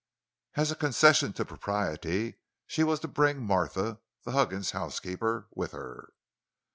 As a concession to propriety, she was to bring Martha, the Huggins housekeeper, with her.